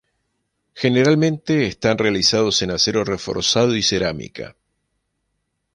Generalmente están realizados en acero reforzado y cerámica.